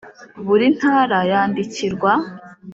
Buri ntara yandikirwa